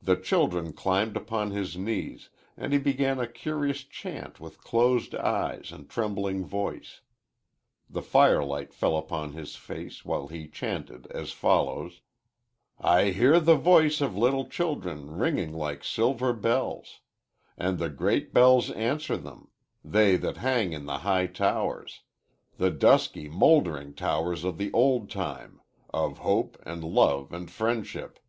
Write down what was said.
The children climbed upon his knees, and he began a curious chant with closed eyes and trembling voice. The firelight fell upon his face while he chanted as follows: "I hear the voices of little children ringing like silver bells, And the great bells answer them they that hang in the high towers The dusky, mouldering towers of the old time, of hope and love and friendship.